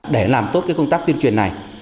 để làm tốt cái công tác tuyên truyền này